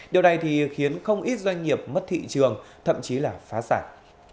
điều này thì khiến không ít doanh nghiệp mất thị trường thậm chí là phá sản